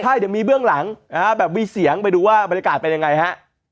ใช่เดี๋ยวมีเบื้องหลังแบบมีเสียงไปดูว่าบรรยากาศเป็นยังไงฮะ